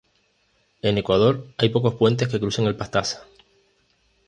En Ecuador hay pocos puentes que crucen el Pastaza.